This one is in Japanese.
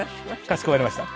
かしこまりました。